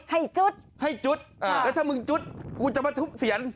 ให้จุดให้จุดอ่าแล้วถ้ามึงจุดกูจะมาทุบเสียง